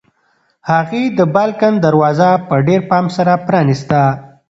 هغې د بالکن دروازه په ډېر پام سره پرانیسته.